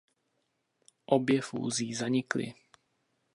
Obě fúzí zanikly.